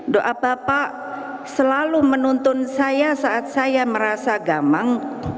doa bapak selalu menuntun saya saat saya merasa gamang